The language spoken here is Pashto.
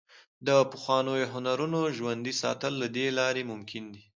د پخوانیو هنرونو ژوندي ساتل له دې لارې ممکن دي.